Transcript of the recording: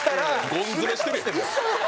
ゴン詰めしてるやん。